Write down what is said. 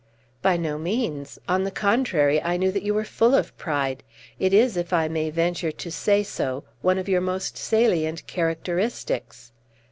"By no means; on the contrary, I knew that you were full of pride; it is, if I may venture to say so, one of your most salient characteristics.